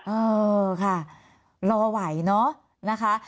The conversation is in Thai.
เออค่ะรอไหวเนอะนะคะ